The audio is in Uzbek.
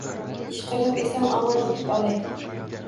Ishqilib eson-omon oʻtib olay